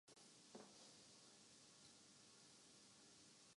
اس امت کا اجماع ہے کہ قرآن مجید کی موجودہ ترتیب توقیفی